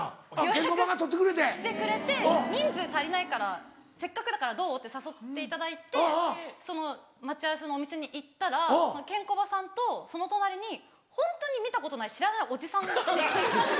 予約してくれて人数足りないからせっかくだからどう？って誘っていただいて待ち合わせのお店に行ったらケンコバさんとその隣にホントに見たことない知らないおじさんがいたんです。